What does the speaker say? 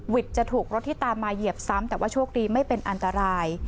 จะถูกรถที่ตามมาเหยียบซ้ำแต่ว่าโชคดีไม่เป็นอันตราย